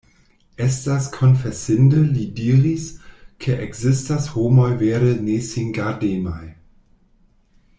Estas konfesinde, li diris, ke ekzistas homoj vere nesingardemaj.